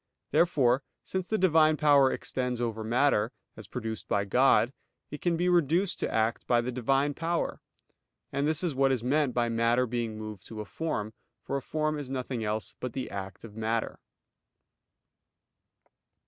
Therefore, since the Divine power extends over matter, as produced by God, it can be reduced to act by the Divine power: and this is what is meant by matter being moved to a form; for a form is nothing else but the act of matter.